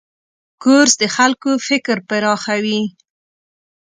کورس د خلکو فکر پراخوي.